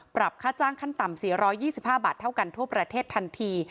ค่าจ้างขั้นต่ำ๔๒๕บาทเท่ากันทั่วประเทศทันที